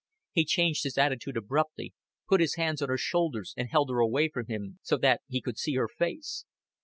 He changed his attitude abruptly, put his hands on her shoulders and held her away from him, so that he could see her face.